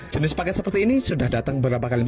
jenis paket seperti ini sudah datang beberapa kali